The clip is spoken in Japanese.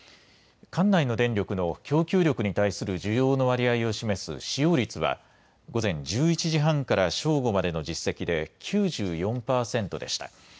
管内の電力の供給力に対する需要の割合を示す使用率は午前１１時半から正午までの実績で９４％でした。